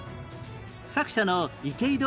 作者の池井戸